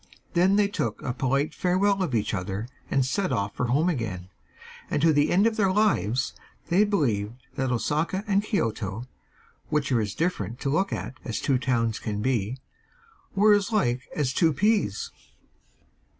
Then they took a polite farewell of each other, and set off for home again, and to the end of their lives they believed that Osaka and Kioto, which are as different to look at as two towns can be, were as like as two peas.